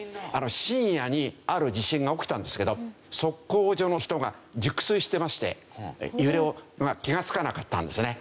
深夜にある地震が起きたんですけど測候所の人が熟睡してまして揺れを気が付かなかったんですね。